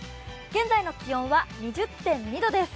現在の気温は２０．２度です。